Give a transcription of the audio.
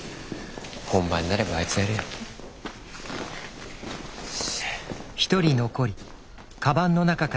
本番になればあいつはやるよ。